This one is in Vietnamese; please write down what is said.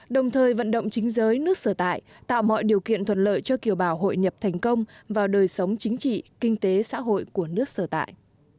đồng thời vận động chính giới nước sở tại tạo mọi điều kiện thuận lợi cho kiều bào hội nhập thành công vào đời sống chính trị kinh tế xã hội của nước sở tại